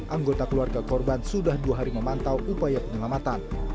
anggota keluarga korban sudah dua hari memantau upaya penyelamatan